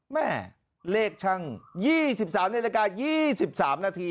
แม่เลขช่าง๒๓นาฬิกา๒๓นาที